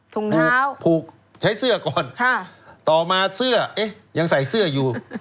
ถุงเท้าผูกใช้เสื้อก่อนต่อมาเสื้อเอ๊ะยังใส่เสื้ออยู่